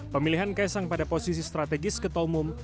pemilihan kaisang pada posisi strategis ketua umum